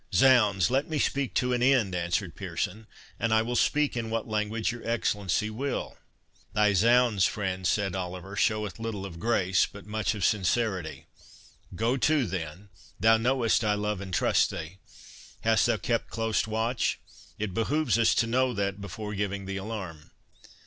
"Zounds! let me speak to an end," answered Pearson, "and I will speak in what language your Excellency will." "Thy zounds, friend," said Oliver, "showeth little of grace, but much of sincerity. Go to then—thou knowest I love and trust thee. Hast thou kept close watch? It behoves us to know that, before giving the alarm."